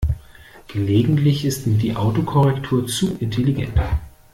Gelegentlich ist mir die Autokorrektur zu intelligent.